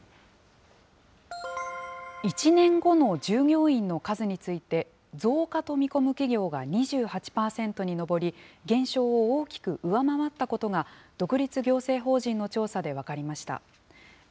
１年後の従業員の数について、増加と見込む企業が２８％に上り、減少を大きく上回ったことが、独立行政法人の調査で分かりました。